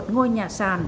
cùng với nhà rông